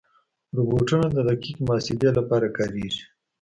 روبوټونه د دقیق محاسبې لپاره کارېږي.